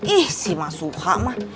ih si masuha mah